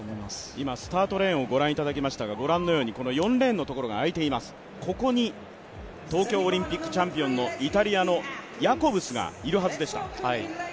今スタートレーンをご覧いただきましたが、この４レーンのところが空いています、ここに東京オリンピックチャンピオン、イタリアのヤコブスがいるはずでした。